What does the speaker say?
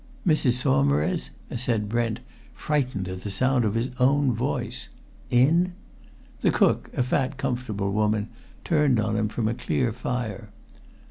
"Mrs. Saumarez?" said Brent, frightened at the sound of his own voice. "In?" The cook, a fat, comfortable woman, turned on him from a clear fire.